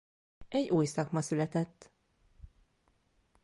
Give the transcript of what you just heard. Egy új szakma született.